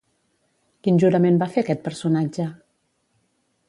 Quin jurament va fer aquest personatge?